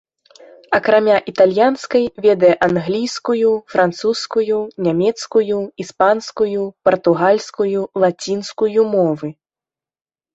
Акрамя італьянскай, ведае англійскую, французскую, нямецкую, іспанскую, партугальскую, лацінскую мовы.